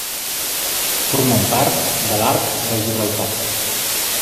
Formen part de l'Arc de Gibraltar.